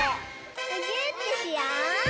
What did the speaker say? むぎゅーってしよう！